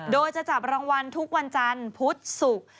โดยจะจับรางวัลทุกวันจันทร์พุธศุกร์